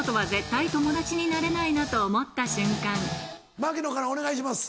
槙野からお願いします。